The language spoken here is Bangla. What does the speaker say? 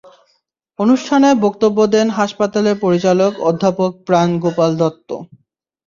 অনুষ্ঠানে বক্তব্য দেন হাসপাতালের পরিচালক অধ্যাপক প্রাণ গোপাল দত্ত।